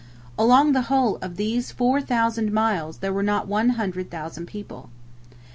Along the whole of these four thousand miles there were not one hundred thousand people.